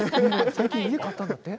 最近家、買ったんだって？